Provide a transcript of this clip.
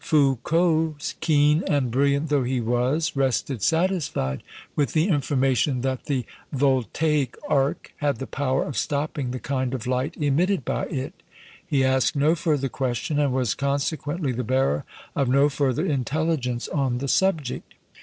Foucault, keen and brilliant though he was, rested satisfied with the information that the voltaic arc had the power of stopping the kind of light emitted by it; he asked no further question, and was consequently the bearer of no further intelligence on the subject.